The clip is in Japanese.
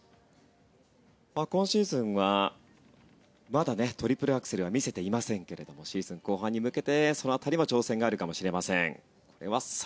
今シーズンは、まだトリプルアクセルは見せていませんがシーズン後半に向けてその辺りも挑戦があるかもしれません。